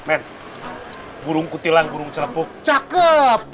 men burung kutilan burung celepuk cakep